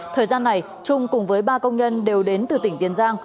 thời gian này trung cùng với ba công nhân đều đến từ tỉnh tiền giang